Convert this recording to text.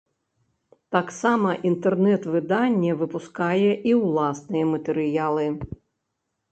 Таксама інтэрнэт-выданне выпускае і ўласныя матэрыялы.